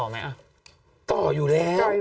มันต่ออยู่แล้ว